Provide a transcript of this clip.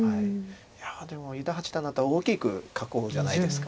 いやでも伊田八段だったら大きく囲うんじゃないですか。